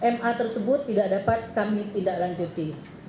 ma tersebut tidak dapat kami tidak lanjuti